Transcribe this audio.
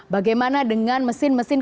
bagaimana dengan mesin mesin